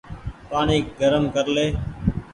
پآڻيٚ گرم ڪر لي ۔